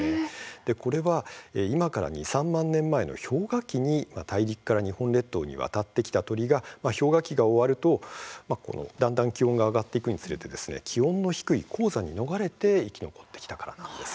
これは今から２、３万年前の氷河期に大陸から日本列島に渡ってきた鳥が氷河期が終わると気温が上がるにつれて気温が低い高山に逃れて生き残ってきたからなんです。